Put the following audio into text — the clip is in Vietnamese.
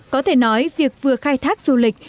có thể nói việc vừa khai thác du lịch